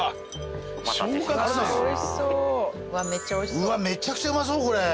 うわっめちゃくちゃうまそうこれ。